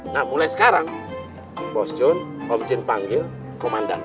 nah mulai sekarang bos jun om jin panggil komandan